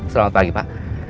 selamat pagi pak